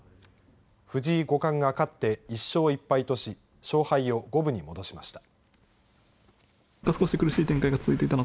藤井五冠が勝って１勝１敗とし勝敗を五分に戻しました。